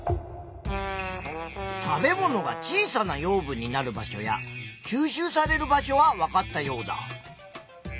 食べ物が小さな養分になる場所や吸収される場所はわかったヨウダ。